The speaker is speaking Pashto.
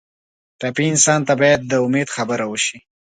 ټپي انسان ته باید د امید خبره وشي.